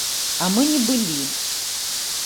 А мы не былі.